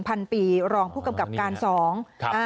พันธุ์ปีรองผู้กำกับการสอง